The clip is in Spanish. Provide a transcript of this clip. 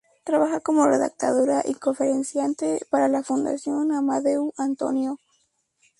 Trabaja como redactora y conferenciante para la Fundación Amadeu Antonio.